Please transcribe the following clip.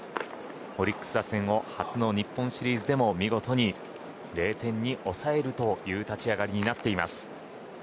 オリックス打線を初の日本シリーズでも見事に０点に抑えるという立ち上がりになっています。